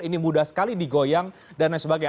ini mudah sekali digoyang dan lain sebagainya